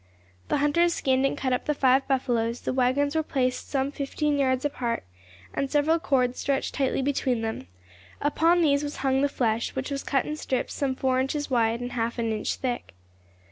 The hunters skinned and cut up the five buffaloes; the waggons were placed some fifteen yards apart, and several cords stretched tightly between them; upon these was hung the flesh, which was cut in strips some four inches wide and half an inch thick.